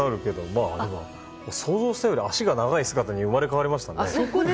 まあ、でも想像したより足が長い姿に生まれ変わりましたね。